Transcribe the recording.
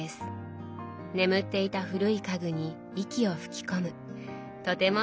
眠っていた古い家具に息を吹き込むとてもすてきなアイデアですね。